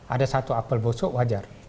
ada satu apel bosok wajar